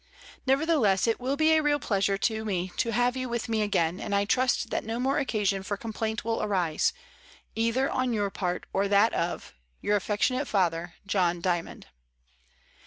Nevertheless it will be a real pleasure to me to have you with me again, and I trust that no more occasion for complaint will arise — either on your part or that of "Your affectionate father, "John Dymond.